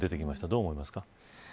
どう思いますか。